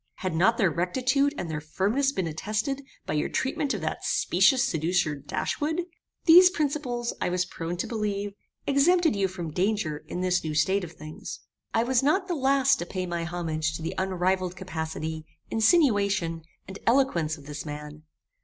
Had not their rectitude and their firmness been attested by your treatment of that specious seducer Dashwood? These principles, I was prone to believe, exempted you from danger in this new state of things. I was not the last to pay my homage to the unrivalled capacity, insinuation, and eloquence of this man.